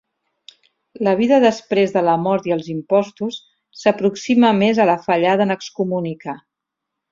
"La vida després de la mort i els impostos" s'aproxima més a la "Fallada en excomunicar".